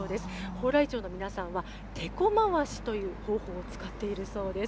蓬莱町の皆さんは、テコ廻しという方法を使っているそうです。